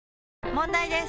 問題です！